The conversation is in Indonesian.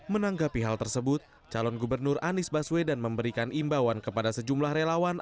menanggapi hal tersebut calon gubernur anies baswedan memberikan imbauan kepada sejumlah relawan